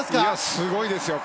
すごいですよ。